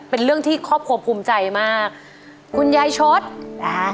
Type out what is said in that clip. เป็นเรื่องที่ครอบครัวภูมิใจมากคุณยายชดนะคะ